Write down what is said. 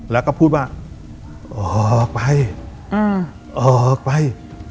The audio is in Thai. แล้วก็พูดว่าออกไปออกไป